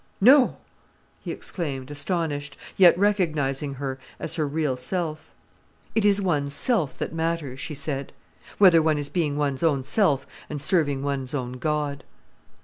"No!" he exclaimed, astonished, yet recognizing her as her real self. "It is one's self that matters," she said. "Whether one is being one's own self and serving one's own God."